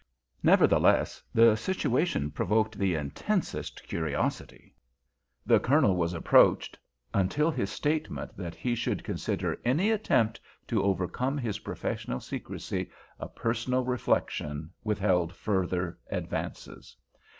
Nevertheless, the situation provoked the intensest curiosity. The Colonel was approached—until his statement that he should consider any attempt to overcome his professional secrecy a personal reflection withheld further advances.